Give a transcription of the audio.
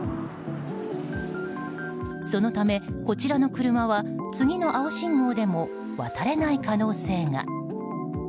そのため、こちらの車は次の青信号でも渡れない可能性が。